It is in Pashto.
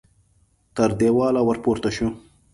تر دېواله ور پورته شو.